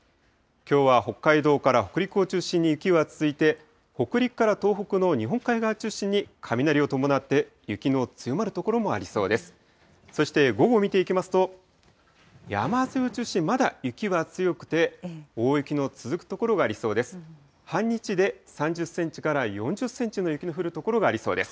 きょうは北海道から北陸を中心に雪は続いて、北陸から東北の日本海側を中心に、雷を伴って雪の強まる所もありそうです。